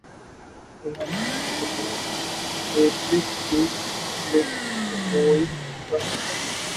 Ranbir Kapoor idiots کے sequel کا حصہ